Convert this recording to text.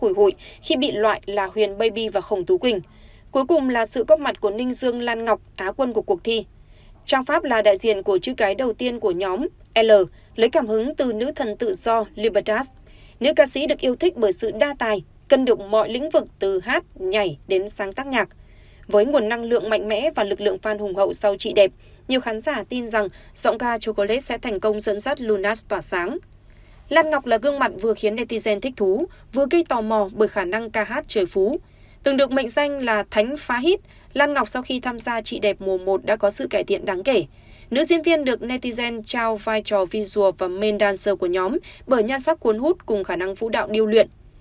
nữ diễn viên được netizen trao vai trò visual và main dancer của nhóm bởi nhan sắc cuốn hút cùng khả năng vũ đạo điêu luyện